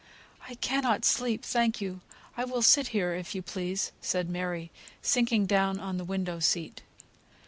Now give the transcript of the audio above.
"I cannot sleep, thank you. I will sit here, if you please," said Mary, sinking down on the window seat.